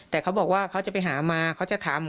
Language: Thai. แต่เขาบอกว่าเขาจะไปหามาเขาจะถาม